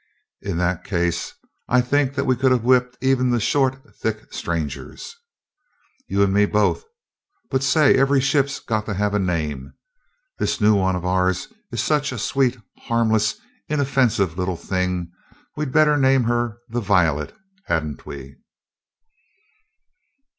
"In that case, I think that we could have whipped even the short, thick strangers." "You and me both. But say, every ship's got to have a name. This new one of ours is such a sweet, harmless, inoffensive little thing, we'd better name her the Violet, hadn't we?"